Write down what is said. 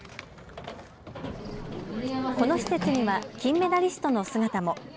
この施設には金メダリストの姿も。